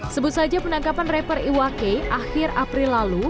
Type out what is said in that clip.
sebut saja penangkapan rapper iwake akhir april lalu